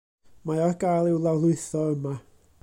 Mae ar gael i'w lawrlwytho yma.